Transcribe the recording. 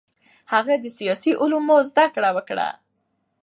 هغه د سیاسي علومو زده کړه وکړه.